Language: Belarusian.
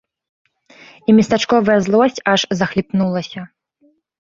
І местачковая злосць аж захліпнулася.